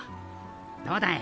どうだい？